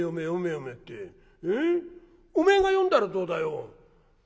えっおめえが読んだらどうだよ？」。